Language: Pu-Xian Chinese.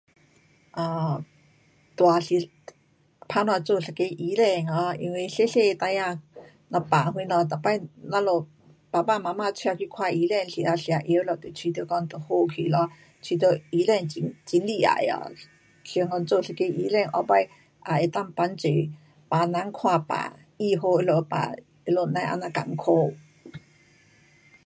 um 大是打算做一个医生啊，因为小小的孩儿若病什么，每次我们爸爸妈妈带去看医生，吃，吃药了就觉得讲就好去咯，觉得讲医，医生很厉害啊。想讲做一个医生以后也能够帮助病人看病，医好他们的病，他们不用这么困苦。